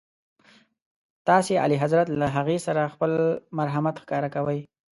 تاسي اعلیحضرت له هغې سره خپل مرحمت ښکاره کوئ.